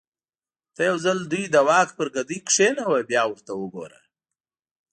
ته یو ځل دوی د واک پر ګدۍ کېنوه بیا ورته وګوره.